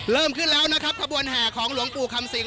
เริ่มขึ้นแล้วนะครับขบวนแห่ของหลวงปู่คำสิง